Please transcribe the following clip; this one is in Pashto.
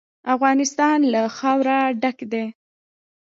افغانستان له خاوره ډک دی.